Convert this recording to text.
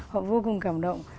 họ vô cùng cảm động